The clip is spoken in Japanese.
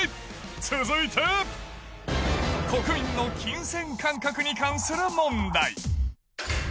続いて、国民の金銭感覚に関する問題。